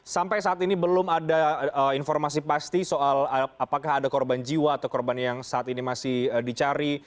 sampai saat ini belum ada informasi pasti soal apakah ada korban jiwa atau korban yang saat ini masih dicari